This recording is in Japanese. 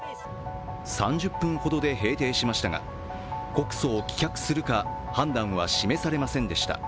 ３０分ほどで閉廷しましたが告訴を棄却するか判断は示されませんでした。